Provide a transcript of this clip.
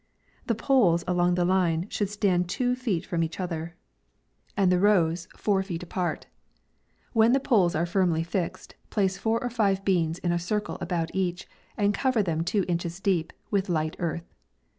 The poles along the line should stand two feet from each other, and the rdlfrs four feet apart. "When the poles are firmly fixed, place four or rive beans in a circle a bout each, and cover them two inches deep, with light earth.